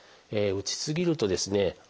打ち過ぎるとですね